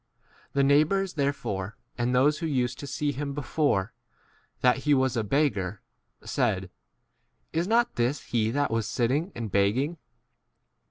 8 The neighbours therefore, and those who used to see him before, that he was a beggar,* 1 said, Is not this he that was sitting and 9 begging